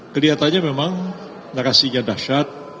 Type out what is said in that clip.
kelihatannya memang narasinya dahsyat